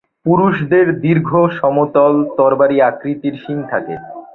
পুরুষদের দীর্ঘ, সমতল, তরবারি আকৃতির শিং থাকে।